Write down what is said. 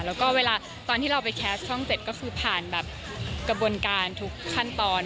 แล้วก็เวลาตอนที่เราไปแคสต์ช่อง๗ก็คือผ่านแบบกระบวนการทุกขั้นตอน